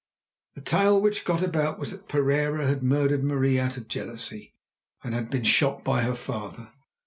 The tale which got about was that Pereira had murdered Marie out of jealousy, and been shot by her father.